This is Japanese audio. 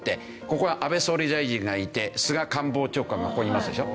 ここは安倍総理大臣がいて菅官房長官がここにいますでしょ。